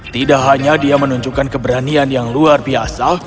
tidak hanya dia menunjukkan keberanian yang luar biasa